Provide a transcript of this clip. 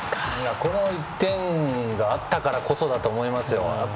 この１点があったからこそだと思います。